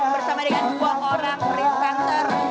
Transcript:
bersama dengan dua orang presenter